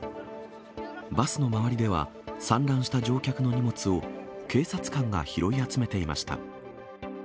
バスの周りでは、散乱した乗客の荷物を警察官が拾い集めていました。